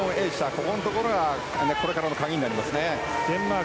ここのところがこれからの鍵になりますね。